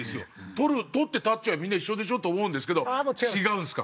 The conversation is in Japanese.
捕ってタッチはみんな一緒でしょと思うんですけど違うんですか？